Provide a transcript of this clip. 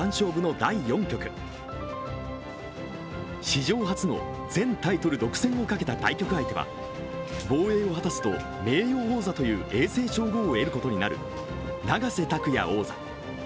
史上初の全タイトル独占をかけた対局相手は防衛を果たすと名誉王座という永世称号を得ることになる永瀬拓矢王座。